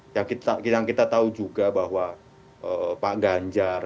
yang kita tahu juga bahwa pak ganjar